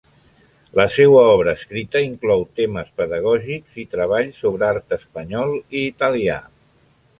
La seua obra escrita inclou temes pedagògics i treballs sobre art espanyol i italià.